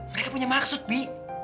mereka punya maksud pi